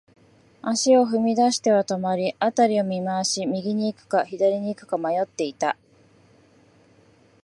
足を踏み出しては止まり、辺りを見回し、右に行くか、左に行くか迷っていた。